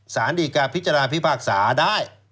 ศาลอันดีการณ์พิจารณาพิภาคศาได้